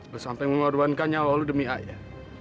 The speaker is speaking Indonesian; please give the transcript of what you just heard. lu sampai mengorbankan nyawa lu demi ayah